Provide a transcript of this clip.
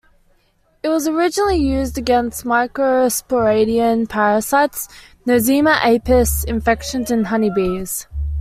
It was originally used against microsporidian parasites "Nosema apis" infections in honey bees.